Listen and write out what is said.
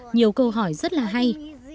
nhiều câu hỏi rất là hay